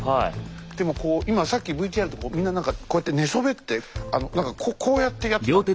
でも今さっきＶＴＲでこうみんな何かこうやって寝そべってこうやってやってたんだよ。